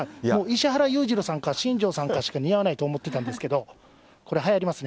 もう石原裕次郎さんか新庄さんしか似合わないと思ってたんですけど、これ、はやりますね。